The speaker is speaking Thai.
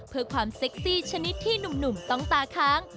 เพื่อความเซ็กซี่ชนิดที่หนุ่มต้องตาค้าง